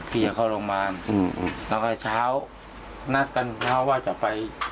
พี่อยากเข้ารองมานถ้าไปเช้าเนาะกันเช้าว่าจะไป